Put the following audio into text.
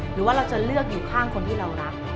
หรือว่าเราจะเลือกอยู่ข้างคนที่เรารัก